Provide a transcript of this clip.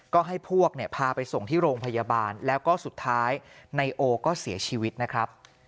ก็ให้พวกเนี่ยพาไปส่งที่โรงพยาบาลแล้วก็สุดท้ายนายโอก็เสียชีวิตนะครับ